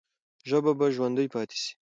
ژبه به ژوندۍ پاتې سي.